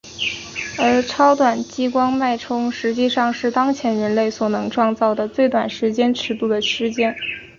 而超短激光脉冲实际上是当前人类所能创造的最短时间尺度的事件。